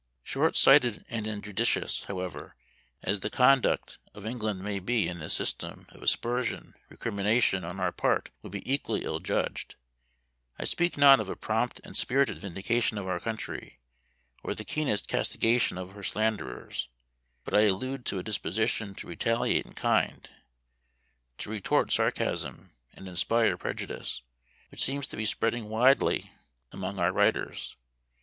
Short sighted and injudicious, however, as the conduct or England may be in this system of aspersion, recrimination on our part would be equally ill judged. I speak not of a prompt and spirited vindication of our country, or the keenest castigation of her slanderers but I allude to a disposition to retaliate in kind, to retort sarcasm and inspire prejudice, which seems to be spreading widely among our writers.